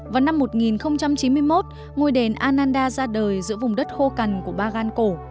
vào năm một nghìn chín mươi một ngôi đền anda ra đời giữa vùng đất khô cằn của bagan cổ